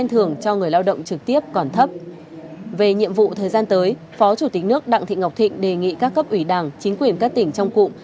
phó chủ tịch nước đặng thị ngọc thịnh đề nghị các cấp ủy đảng chính quyền các tỉnh trong cụm